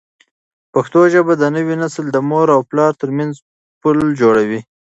پښتو ژبه د نوي نسل د مور او پلار ترمنځ پل جوړوي.